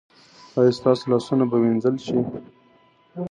ایا ستاسو لاسونه به وینځل شي؟